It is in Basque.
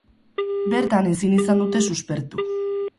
Bertan, ezin izan dute suspertu.